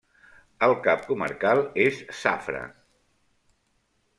El cap comarcal és Zafra.